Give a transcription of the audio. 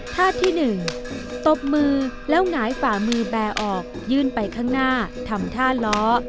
ท่าที่๑ตบมือแล้วหงายฝ่ามือแบร์ออกยื่นไปข้างหน้าทำท่าล้อ